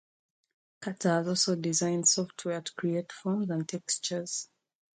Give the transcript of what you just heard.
Carter has also designed software to create forms and textures.